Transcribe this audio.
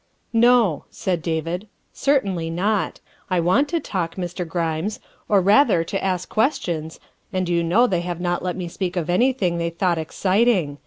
" No," said David, " certainly not. I want to talk, Mr. Grimes, or, rather, to ask questions, and you know they have not let me speak of anything they thought THE SECRETARY OF STATE 339 exciting.